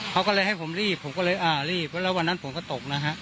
เขาก็เลยให้ผมรีบผมก็เลยอ่ารีบแล้ววันนั้นผมก็ตกนะฮะ